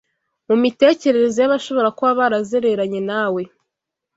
mumitekerereze yabashobora kuba barazereranye nawe